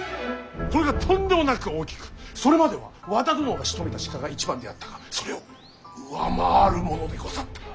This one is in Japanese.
これがとんでもなく大きくそれまでは和田殿がしとめた鹿が一番であったがそれを上回るものでござった。